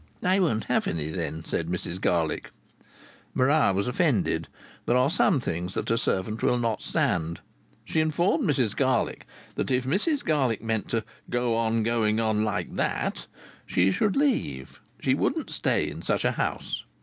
"I won't have any then," said Mrs Garlick. Maria was offended; there are some things that a servant will not stand. She informed Mrs Garlick that if Mrs Garlick meant "to go on going on like that" she should leave; she wouldn't stay in such a house.